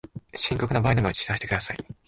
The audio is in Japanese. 深刻な場合のみ知らせてください